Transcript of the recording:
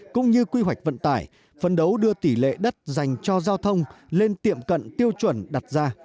cũng như quy hoạch vận tải phân đấu đưa tỷ lệ đất dành cho giao thông lên tiệm cận tiêu chuẩn đặt ra